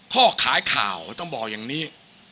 ข้อขายข่าวต้องบอกอย่างนี้